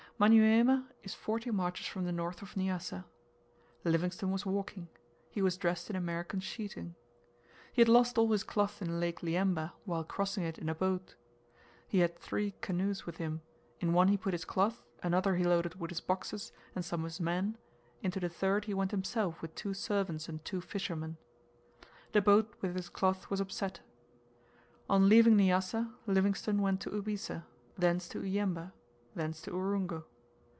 Manyuema is forty marches from the north of Nyassa. Livingstone was walking; he was dressed in American sheeting. He had lost all his cloth in Lake Liemba while crossing it in a boat. He had three canoes with him; in one he put his cloth, another he loaded with his boxes and some of his men, into the third he went himself with two servants and two fishermen. The boat with his cloth was upset. On leaving Nyassa, Livingstone went to Ubisa, thence to Uemba, thence to Urungu.